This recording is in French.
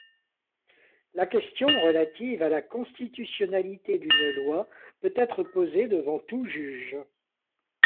La question relative à la constitutionnalité d'une loi peut être posée devant tout juge.